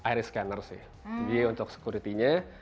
iris scanner sih jadi untuk security nya